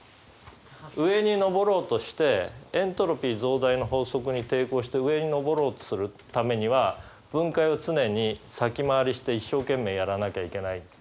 上に上ろうとしてエントロピー増大の法則に抵抗して上に上ろうとするためには分解を常に先回りして一生懸命やらなきゃいけない。